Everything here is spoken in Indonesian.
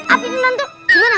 api tenan tuh gimana